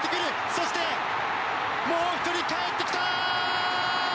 そして、もう１人かえってきた！